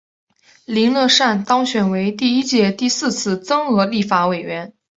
林乐善当选为第一届第四次增额立法委员。